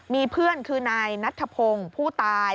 มีเพื่อนคือนายนัทธพงศ์ผู้ตาย